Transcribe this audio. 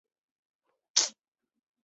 安徽嗜眼吸虫为嗜眼科嗜眼属的动物。